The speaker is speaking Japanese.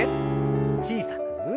小さく。